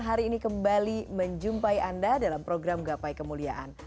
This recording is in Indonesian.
hari ini kembali menjumpai anda dalam program gapai kemuliaan